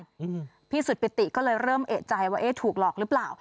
อืมพี่สุดปิติก็เลยเริ่มเอกใจว่าเอ๊ะถูกหลอกหรือเปล่า